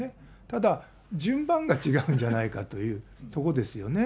ただ順番が違うんじゃないかという、ここですよね。